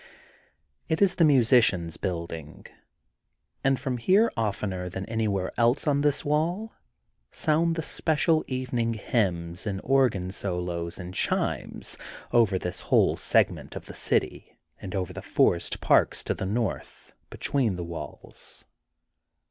It is the Musicians* Building and from here oftener than anywhere else on this wptU, sound the special evening hymns and organ solos and chimes, over this whole segment of the city and over the forest parks to the north, between the walls.